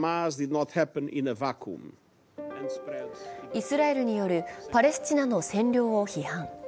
イスラエルによるパレスチナの占領を批判。